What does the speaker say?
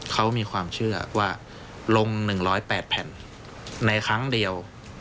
เขามีความเชื่อว่าลงหนึ่งร้อยแปดแผ่นในครั้งเดียว